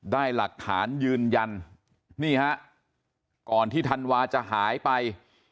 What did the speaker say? ได้หลักฐานยืนยันนี่ฮะก่อนที่ธันวาจะหายไป